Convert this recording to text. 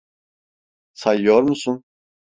Sayıyor musun?